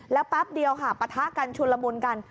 แล้วแป๊บเดียวค่ะปะทะกันชุนละมุนกัน